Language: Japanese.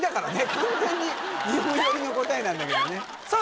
完全に日本寄りの答えなんだけどねさあ